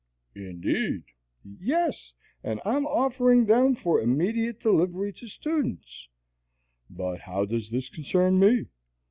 "Indeed." "Yes, and I'm offering them for immediate delivery to students." "But how does this concern me?"